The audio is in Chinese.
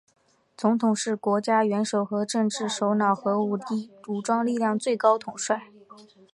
总统是国家元首和政府首脑和武装力量最高统帅。